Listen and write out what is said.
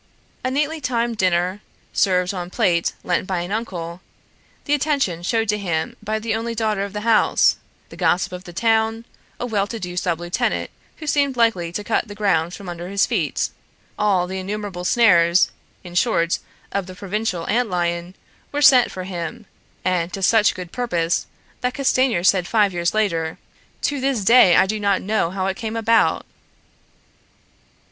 A neatly timed dinner, served on plate lent by an uncle, the attention shown to him by the only daughter of the house, the gossip of the town, a well to do sub lieutenant who seemed likely to cut the ground from under his feet all the innumerable snares, in short, of the provincial ant lion were set for him, and to such good purpose, that Castanier said five years later, "To this day I do not know how it came about!"